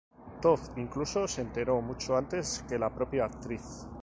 Todd incluso se enteró mucho antes que la propia actriz.